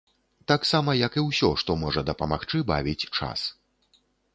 Таксама як і ўсё, што можа дапамагчы бавіць час.